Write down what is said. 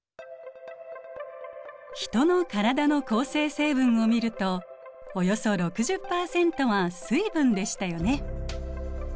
ヒトの体の構成成分を見るとおよそ６０％は水分でしたよね。